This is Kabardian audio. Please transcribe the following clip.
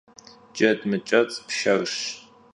Ced mıç'ets' pşşerş.